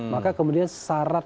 maka kemudian saya juga berharap